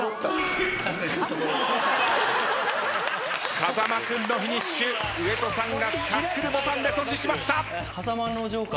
風間君のフィニッシュ上戸さんがシャッフルボタンで阻止しました。